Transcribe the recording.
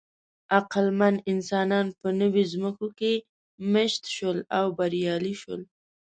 عقلمن انسانان په نوې ځمکو کې مېشت شول او بریالي شول.